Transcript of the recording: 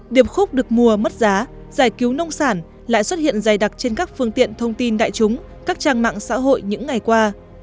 điệp khúc được mua mất giá giải cứu nông sản lại xuất hiện dày đặc trên các phương tiện thông tin đại chúng các trang mạng xã hội những ngày qua